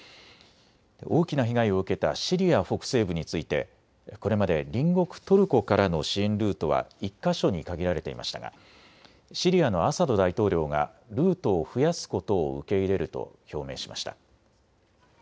大きな被害を受けたシリア北西部についてこれまで隣国トルコからの支援ルートは１か所に限られていましたがシリアのアサド大統領がルートを増やすことを受け入れると表明しました。